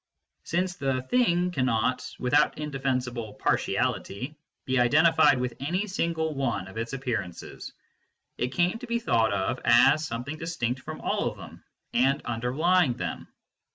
Since the " thing " cannot, without indefensible par tiality, be identified with any single one of its appear ances, it came to be thought of as something distinct from all of them and underlying them.